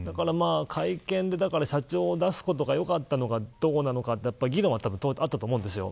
会見で社長を出すことがよかったのか、どうなのか議論はあったと思います。